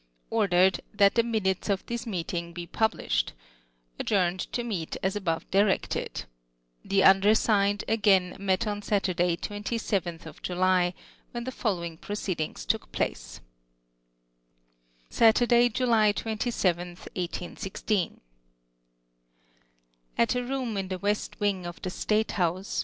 Ordered, That the minutes of this meeting be publislied. Adjourned to meet as above directed. Tlie undersigned, again met on Saturdaj', 27th July, when the following proceedings took place : — Satvrday, July 27tli, 1816. At a room in the west wing of the state house.